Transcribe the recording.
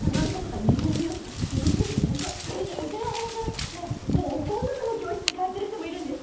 それにお茶やお花じゃなくってもうお香とかの教室に通ってる人もいるんです。